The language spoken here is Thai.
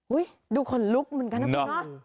อุ้ยดูคนลุกเหมือนกันนะครับ